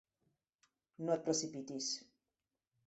No et precipitis...